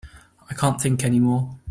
I can't think any more.